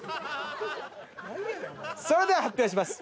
それでは発表します。